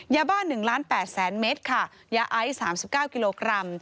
ยาบ้า๑ล้าน๘แสนเมตรค่ะยาไอซ์๓๙กิโลกรัม